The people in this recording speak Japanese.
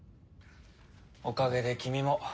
おかげで君も。